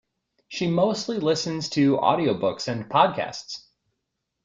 She mostly listens to audiobooks and podcasts